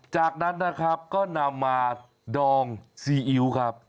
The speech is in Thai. จากนั้นนะครับก็นำมาดองซีอิ๊วครับ